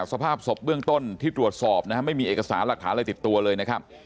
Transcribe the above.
สภาพศพเบื้องต้นที่ตรวจสอบนะฮะไม่มีเอกสารหลักฐานอะไรติดตัวเลยนะครับ